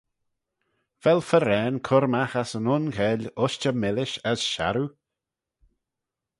Vel farrane cur magh ass yn un gheill ushtey millish as sharroo?